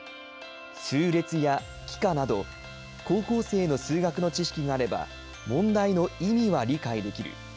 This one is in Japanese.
数列や幾何など、高校生の数学の知識があれば、問題の意味は理解できる。